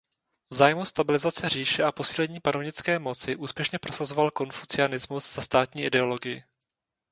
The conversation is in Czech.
V zájmu stabilizace říše a posílení panovnické moci úspěšně prosazoval konfucianismus za státní ideologii.